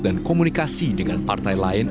dan komunikasi dengan partai lain